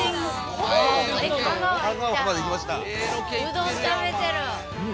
うどん食べてる！